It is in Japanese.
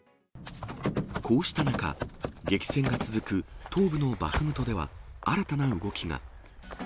こうした中、激戦が続く東部のバフムトでは、新たな動きが。